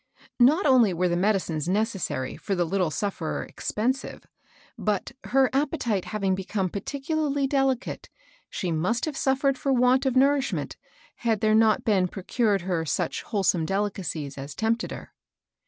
Not only were the medicines necessary for the little sufferer expen sive, but, her appetite having become particu larly delicate, she must have suffered for want of nourishment had there not been procured her such wholesome delicacies as tempted her.